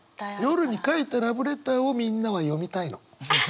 夜に書いたラブレターをみんなは読みたいの。